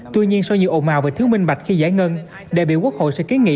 tuy nhiên so với nhiều ồn mào và thứ minh bạch khi giải ngân đại biểu quốc hội sẽ kiến nghị